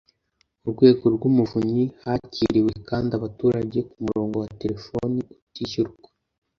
urwego rw Umuvunyi Hakiriwe kandi abaturage ku murongo wa telefoni utishyurwa